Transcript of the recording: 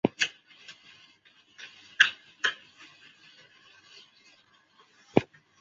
等结束马上订